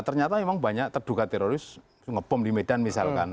ternyata memang banyak terduga teroris ngebom di medan misalkan